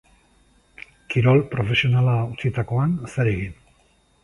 Kirol profesionala utzitakoan, zer egin?